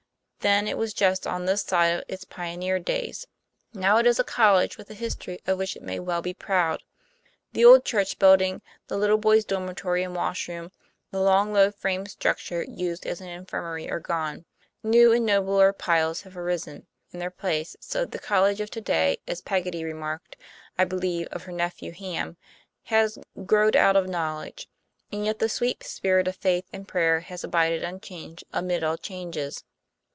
" Then it was just on this side of its pioneer days. Now it is a college with a history of which it may well be proud. The " old church building," the little boys' dormitory and wash room, the long, low frame structure used as an in firmary, are gone; new and nobler piles have arisen PREFA CE. 5 in their place so that the college of to day, as Peg gotty remarked, I believe, of her nephew, Ham, has u growed out of knowledge "; and yet the sweet spirit of faith and prayer has abided unchanged amid all changes.